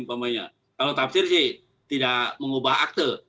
kalau tafsir sih tidak mengubah akte